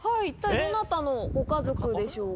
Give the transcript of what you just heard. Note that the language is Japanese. どなたのご家族でしょうか？